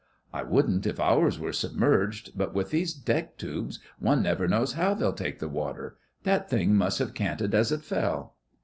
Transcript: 'I wouldn't if ours were submerged, but with these deck tubes one never knows how they'll take the water. That thing must have canted as it fell.